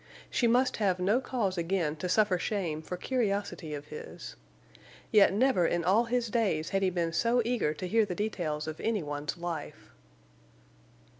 She must have no cause again to suffer shame for curiosity of his. Yet never in all his days had he been so eager to hear the details of anyone's life.